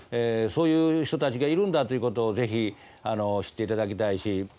そういう人たちがいるんだということを是非知っていただきたいし。